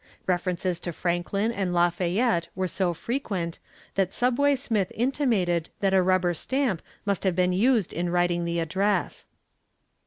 References to Franklin and Lafayette were so frequent that "Subway" Smith intimated that a rubber stamp must have been used in writing the address.